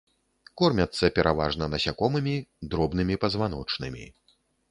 Кормяцца пераважна насякомымі, дробнымі пазваночнымі.